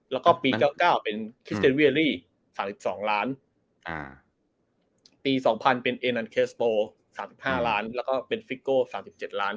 แล้วก็ปี๙๙เป็นคริสเตนเวียรี่๓๒ล้านปี๒๐๐เป็นเอนันเคสโบ๓๕ล้านแล้วก็เป็นฟิโก้๓๗ล้าน